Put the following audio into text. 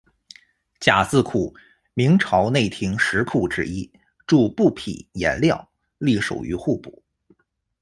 甲字库，明朝内廷十库之一，贮布匹、颜料，隶属于户部。